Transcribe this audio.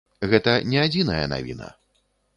Гэта не адзіная навіна.